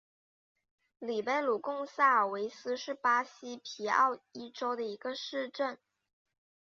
里贝鲁贡萨尔维斯是巴西皮奥伊州的一个市镇。